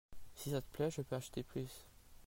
Si ça te plait je peux acheter plus.